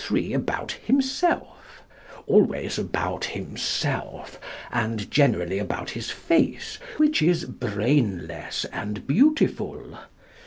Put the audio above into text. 3 about himself always about himself, and generally about his face, which is "brainless and beautiful".